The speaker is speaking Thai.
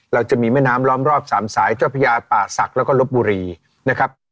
เราจะมีแม่น้ำล้อมรอบสามสายเจ้าพญาป่าศักดิ์แล้วก็ลบบุรีนะครับ